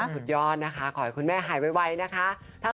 สุดยอดนะคะขอให้คุณแม่หายไวนะคะ